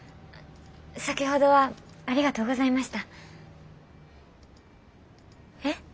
先ほどはありがとうございました。え？